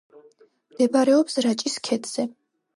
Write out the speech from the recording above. მდებარეობს რაჭის ქედზე.